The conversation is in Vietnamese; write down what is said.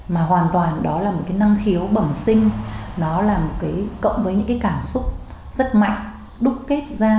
mà hoàn toàn đó là một cái năng thiếu bẩm sinh đó là một cái cộng với những cái cảm xúc rất mạnh đúc kết ra một cái bài thơ để đời như vậy